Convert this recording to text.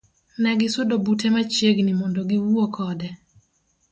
Negisudo bute machiegni mondo giwuo kode.